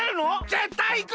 ぜったいいく！